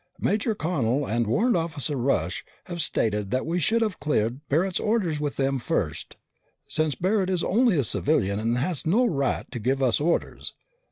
Major Connel and Warrant Officer Rush have stated that we should have cleared Barret's orders with them first, since Barret is only a civilian and has no right to give us orders.